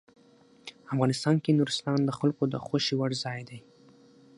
افغانستان کې نورستان د خلکو د خوښې وړ ځای دی.